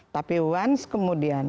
tapi once kemudian